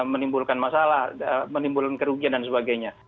menimbulkan masalah menimbulkan kerugian dan sebagainya